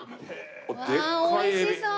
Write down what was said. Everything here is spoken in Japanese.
うわ美味しそう！